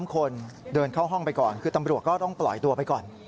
๓คนเดินเข้าห้องไปก่อนคือตำรวจก็ต้องปล่อยตัวไปก่อน